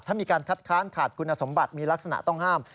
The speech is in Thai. ถ้ามีการคัดค้านขาดคุณสมบัติมีลักษณะต้องห้าม